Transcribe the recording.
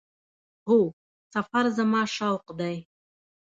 هو، سفر زما شوق دی